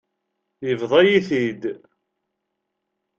Yebḍa-yi-t-id.